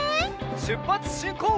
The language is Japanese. しゅっぱつしんこう！